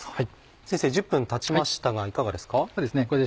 先生１０分たちましたがいかがですか？